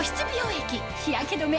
液日焼け止め